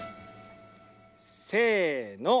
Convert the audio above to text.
せの。